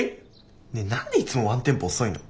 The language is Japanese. ねえ何でいつもワンテンポ遅いの？